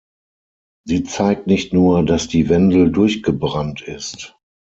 Sie zeigt nicht nur, dass die Wendel durchgebrannt ist.